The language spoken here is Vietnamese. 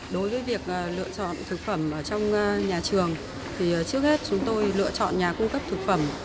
đối với việc lựa chọn thực phẩm trong nhà trường trước hết chúng tôi lựa chọn nhà cung cấp thực phẩm